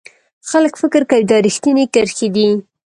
خلک فکر کوي دا ریښتینې کرښې دي.